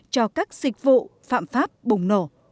cho các dịch vụ phạm pháp bùng nổ